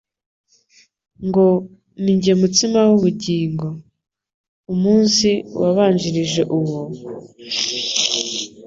ngo: «Ninjye mutsima w'ubugingo.» Umunsi wabanjirije uwo,